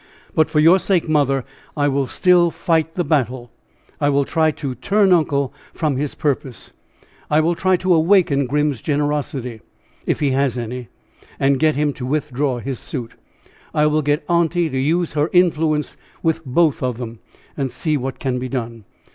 But for your sake, mother, I will still fight the battle. I will try to turn uncle from his purpose. I will try to awaken Grim's generosity, if he has any, and get him to withdraw his suit. I will get aunty to use her influence with both of them, and see what can be done.